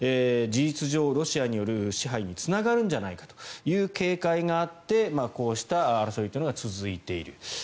事実上、ロシアによる支配につながるんじゃないかという警戒があってこうした争いというのが続いている。